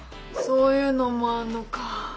そういうのもあんのか。